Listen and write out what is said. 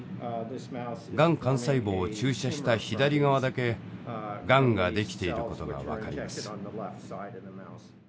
がん幹細胞を注射した左側だけがんが出来ていることが分かります。